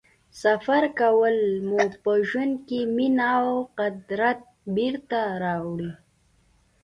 سفر کول مو په ژوند کې مینه او قدرت بېرته راوړي.